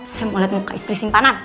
saya mau lihat muka istri simpanan